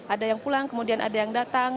ada yang pulang kemudian ada yang datang